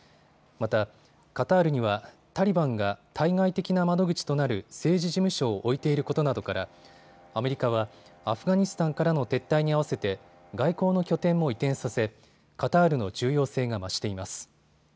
また、カタールにはタリバンが対外的な窓口となる政治事務所を置いていることなどからアメリカはアフガニスタンからの撤退に合わせて外交の拠点も移転させ、カタールの重要性が増しています。